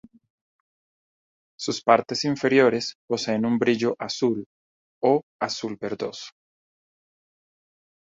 Sus partes inferiores poseen un brillo azul o azul-verdoso.